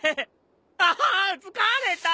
あ疲れた！